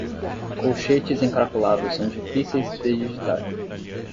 Colchetes encaracolados são difíceis de digitar.